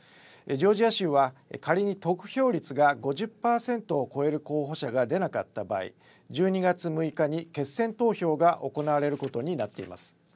ジョージア州は仮に得票率が５０％を超える候補者が出なかった場合、１２月６日に決選投票が行われることになっています。